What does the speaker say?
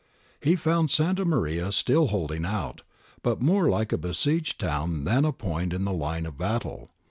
He found Santa Maria still holding out, but more like a besieged town than a point in the line of battle.